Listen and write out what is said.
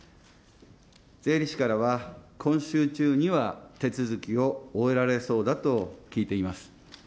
税理士からは今週中には手続きを終えられそうだと聞いています。